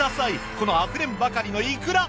このあふれんばかりのいくら！